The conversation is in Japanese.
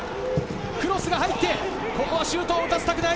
クロスが入ってシュートを打たせたくない。